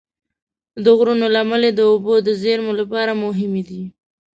د غرونو لمنې د اوبو د زیرمو لپاره مهمې دي.